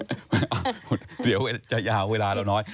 อ้ะเดี๋ยวว่าจะยาวเวลาเหล่าน้อย